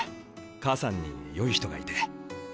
母さんによい人がいて。